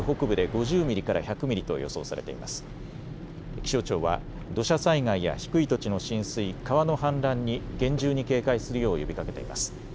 気象庁は土砂災害や低い土地の浸水、川の氾濫に厳重に警戒するよう呼びかけています。